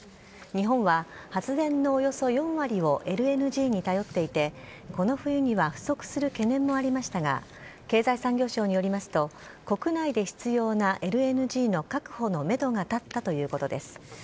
日本は、発電のおよそ４割をＬＮＧに頼っていて、この冬には不足する懸念もありましたが、経済産業省によりますと、国内で必要なＬＮＧの確保のメドが立ったということです。